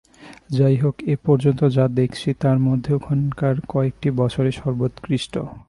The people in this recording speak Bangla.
যাই হোক, এ পর্যন্ত যা দেখছি, তার মধ্যে ওখানকার কয়েকটি বছরই সর্বোৎকৃষ্ট।